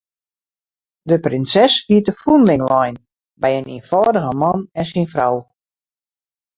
De prinses wie te fûnling lein by in ienfâldige man en syn frou.